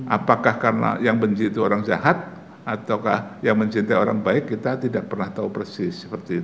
apakah karena yang benci itu orang jahat atau yang mencintai orang baik kita tidak pernah tahu persis